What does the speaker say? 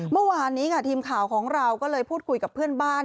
เมื่อวานนี้ค่ะทีมข่าวของเราก็เลยพูดคุยกับเพื่อนบ้าน